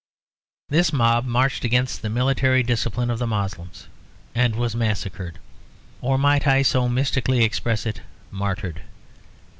This mob marched against the military discipline of the Moslems and was massacred; or, might I so mystically express it, martyred.